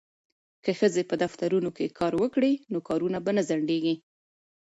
که ښځې په دفترونو کې کار وکړي نو کارونه به نه ځنډیږي.